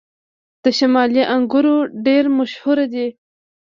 د شمالي انګور ډیر مشهور دي